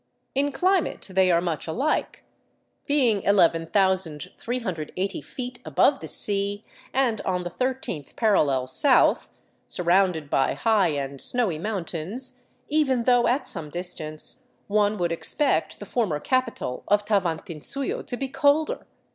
In climate they are much alike. Being 11,380 feet above the sea and on the thirteenth parallel south, surrounded by high and snowy moun tains, even though at some distance, one would expect the former capi tal of Tavantinsuyo to be colder.